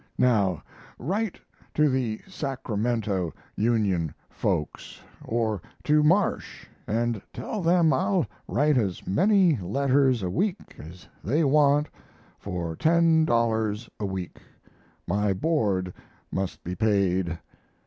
Now write to the Sacramento Union folks, or to Marsh, and tell them I'll write as many letters a week as they want for $10 a week. My board must be paid.